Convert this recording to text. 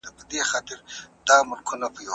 ځینې هېوادونه د لمر مناسب موسم لري.